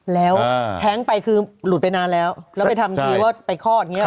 แล้วแท้งไปคือหลุดไปนานแล้วแล้วไปทำทีว่าไปคลอดอย่างนี้